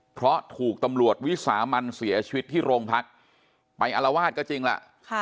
เพราะถูกตำรวจวิสามันเสียชีวิตที่โรงพักไปอารวาสก็จริงล่ะ